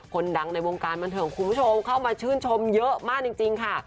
คนดังในวงการบันเทิงคุณผู้ชมเข้ามาชื่นชมเยอะมากจริงค่ะ